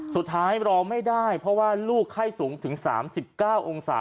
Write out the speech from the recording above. สุดท้ายรอไม่ได้เพราะว่าลูกไข้สูงถึง๓๙องศา